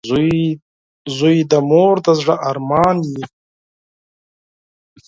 • زوی د مور د زړۀ ارمان وي.